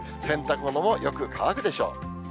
洗濯物もよく乾くでしょう。